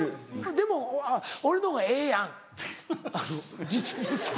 でも俺のほうがええやん実物。